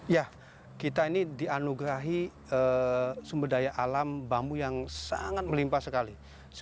ya kita ini dianugerahi sumber daya alam bambu yang sangat melimpah sekali